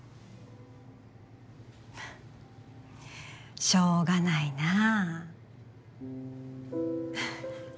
フッしょうがないなぁ。